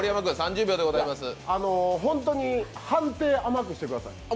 本当に判定、甘くしてください。